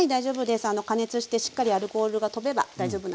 加熱してしっかりアルコールがとべば大丈夫なのではい。